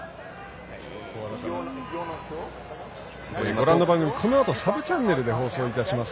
ご覧の番組はこのあとサブチャンネルで放送します。